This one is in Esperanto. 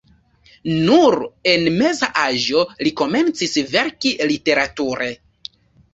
Nur en meza aĝo li komencis verki literature.